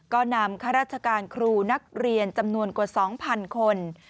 ก็นำข้าราชการครูนักเรียนจำนวนกว่า๒๐๐๐คน